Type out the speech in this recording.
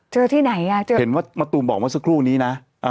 เจอที่ไหน